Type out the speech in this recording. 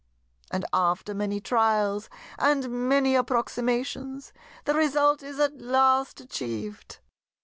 And after many trials and many approximations, the result is at last achieved.